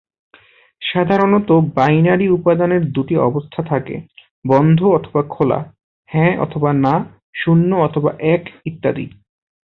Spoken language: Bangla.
সাধারণত বাইনারি উপাদানের দুটি অবস্থা থাকে; বন্ধ অথবা খোলা, হ্যাঁ অথবা না, শুন্য অথবা এক ইত্যাদি।